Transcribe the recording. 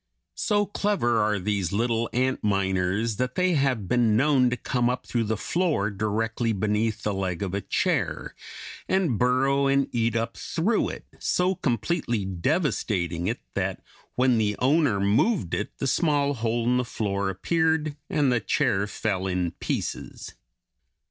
So clever are these little ant miners that they have been known to come up through the floor directly beneath the leg of a chair, and burrow and eat up through it, so completely devastating it that when the owner moved it the small hole in the floor appeared and the chair fell in pieces.